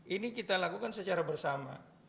ini kita lakukan secara bersama